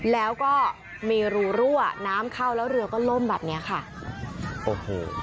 แล้วก็มีรูรั่วน้ำเข้าแล้วเรือก็ล่มแบบเนี้ยค่ะโอ้โห